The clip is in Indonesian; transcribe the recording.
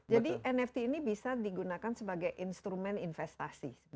jadi nft ini bisa digunakan sebagai instrumen investasi